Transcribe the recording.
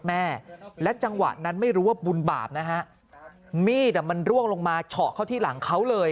แม่และจังหวะนั้นไม่รู้ว่าบุญบาปนะฮะมีดอ่ะมันร่วงลงมาเฉาะเข้าที่หลังเขาเลย